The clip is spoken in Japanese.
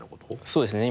そうですね